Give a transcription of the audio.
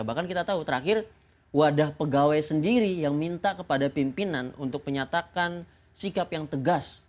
bahkan kita tahu terakhir wadah pegawai sendiri yang minta kepada pimpinan untuk menyatakan sikap yang tegas